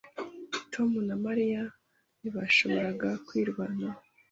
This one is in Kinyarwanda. Tom na Mariya ntibashoboraga kwirwanaho.